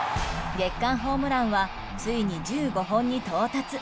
月間ホームランはついに１５本に到達。